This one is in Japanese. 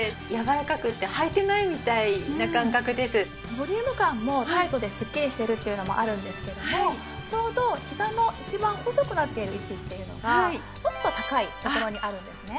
ボリューム感もタイトですっきりしてるっていうのもあるんですけどもちょうどひざの一番細くなっている位置っていうのがちょっと高いところにあるんですね。